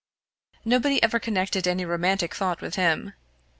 Nobody ever connected any romantic thought with him.